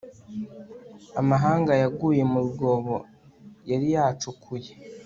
amahanga yaguye mu rwobo yari yacukuye